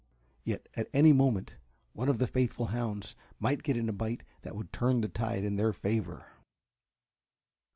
Yet at any moment one of the faithful hounds might get in a bite that would turn the tide in their favor.